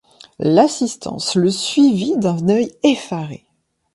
L’assistance le suivit d’un œil effaré.